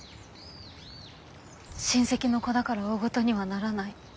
親戚の子だから大ごとにはならない。